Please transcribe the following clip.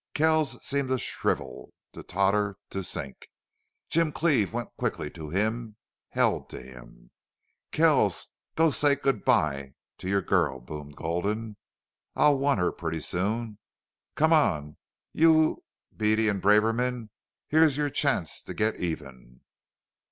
Kells seemed to shrivel, to totter, to sink. Jim Cleve went quickly to him, held to him. "Kells, go say good by to your girl!" boomed Gulden. "I'll want her pretty soon.... Come on, you Beady and Braverman. Here's your chance to get even."